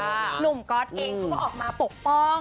หนุ่มก๊อตเองเขาก็ออกมาปกป้อง